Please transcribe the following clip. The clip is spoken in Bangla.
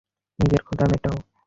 নিজের ক্ষুদা মেটাও!